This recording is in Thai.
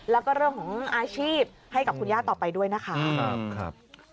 แล้วก็เรื่องของอาชีพให้กับคุณย่าต่อไปด้วยนะคะ